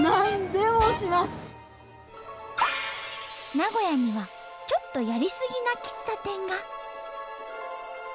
名古屋にはちょっとやりすぎな喫茶店が。